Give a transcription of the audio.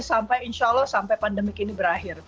sampai insya allah sampai pandemi kini berakhir